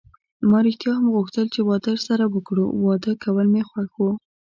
ما ریښتیا هم غوښتل چې واده سره وکړو، واده کول مې خوښ و.